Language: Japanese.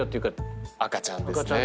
赤ちゃんですね。